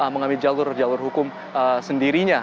mengalami jalur jalur hukum sendirinya